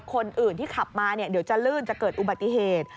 คนอื่นที่ขับมาเดี๋ยวจะลื่นจะเกิดอุบัติเหตุ